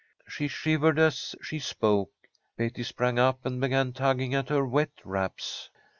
She shivered as she spoke. Betty sprang up and began tugging at her wet wraps.